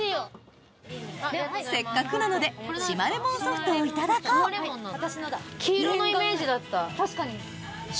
せっかくなので島レモンソフトをいただこう確かに。